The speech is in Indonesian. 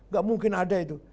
gak mungkin ada itu